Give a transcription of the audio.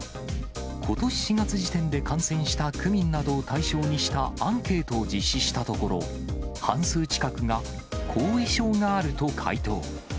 ことし４月時点で感染した区民などを対象にしたアンケートを実施したところ、半数近くが後遺症があると回答。